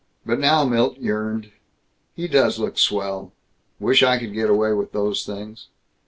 But now Milt yearned, "He does look swell. Wish I could get away with those things.